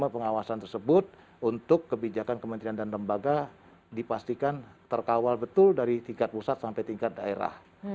pengawasan tersebut untuk kebijakan kementerian dan lembaga dipastikan terkawal betul dari tingkat pusat sampai tingkat daerah